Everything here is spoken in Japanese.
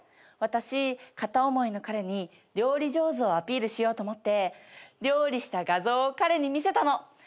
私片思いの彼に料理上手をアピールしようと思って料理した画像を彼に見せたの。